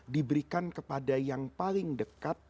diberikan kepada yang paling dekat